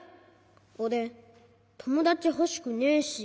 おれともだちほしくねえし。